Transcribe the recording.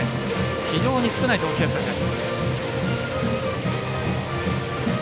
非常に少ない投球数です。